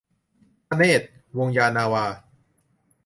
ธเนศ วงศ์ยานนาวา